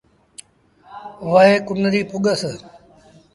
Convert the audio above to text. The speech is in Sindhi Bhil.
وهي ڪنريٚ پُڳس۔